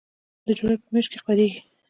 د جولای په میاشت کې خپریږي